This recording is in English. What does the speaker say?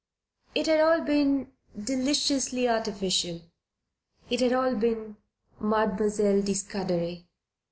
It had all been deliciously artificial. It had all been Mademoiselle de Scudery.